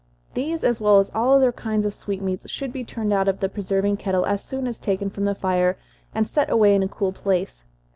These, as well as all other kinds of sweetmeats, should be turned out of the preserving kettle as soon as taken from the fire, and set away in a cool place.